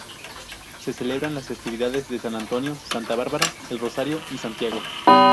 Se celebran la festividades de San Antonio, Santa Bárbara, El Rosario y Santiago.